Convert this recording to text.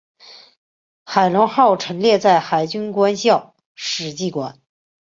海龙号陈列在海军官校史绩馆。